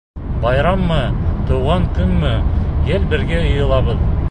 Байраммы, тыуған көнмө гел бергә йыйылабыҙ.